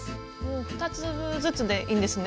２粒ずつでいいんですね。